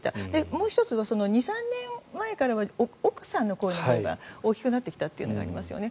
もう１つは２３年前からは奥さんの声のほうが大きくなってきたというのがありますよね。